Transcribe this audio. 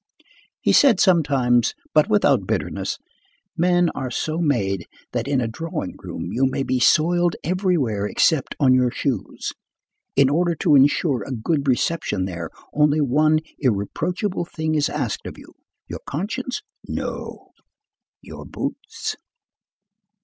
He said sometimes, but without bitterness: "Men are so made that in a drawing room you may be soiled everywhere except on your shoes. In order to insure a good reception there, only one irreproachable thing is asked of you; your conscience? No, your boots."